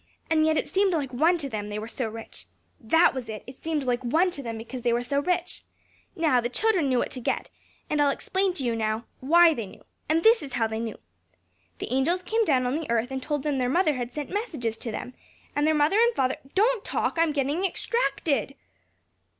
and yet it seemed like one to them, they were so rich. That was it! it seemed like one to them because they were so rich. Now, the children knew what to get, and I'll explain to you now why they knew; and this is how they knew. The angels came down on the earth, and told them their mother had sent messages to them; and their mother and father Don't talk! I'm gettin' extracted!"